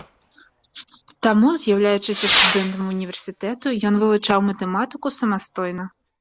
Таму, з'яўляючыся студэнтам універсітэту, ён вывучаў матэматыку самастойна.